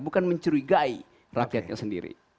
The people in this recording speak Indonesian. bukan mencerigai rakyatnya sendiri